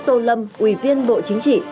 tô lâm ủy viên bộ chính trị